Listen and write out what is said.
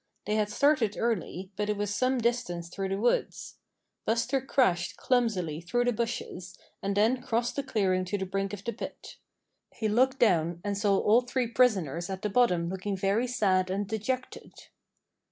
They had started early, but it was some distance through the woods. Buster crashed clumsily through the bushes, and then crossed the clearing to the brink of the pit. He looked down, and saw all three prisoners at the bottom looking very sad and dejected.